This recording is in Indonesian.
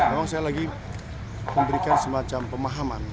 memang saya lagi memberikan semacam pemahaman